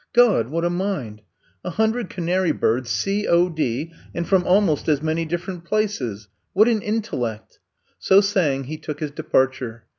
God, what a mind! A hundred canary birds C. 0. D., and from almost as many different places 1 What an intellect!*' So saying he took his departure.